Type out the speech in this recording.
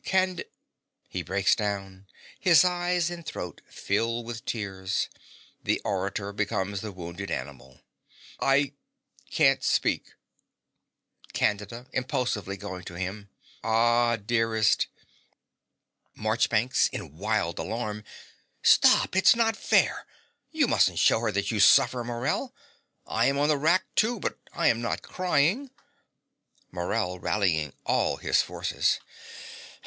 Cand (He breaks down: his eyes and throat fill with tears: the orator becomes the wounded animal.) I can't speak CANDIDA (impulsively going to him). Ah, dearest MARCHBANKS (in wild alarm). Stop: it's not fair. You mustn't show her that you suffer, Morell. I am on the rack, too; but I am not crying. MORELL (rallying all his forces).